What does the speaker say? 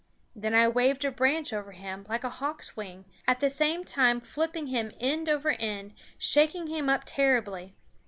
Then I waved a branch over him, like a hawk's wing, at the same time flipping him end over end, shaking him up terribly.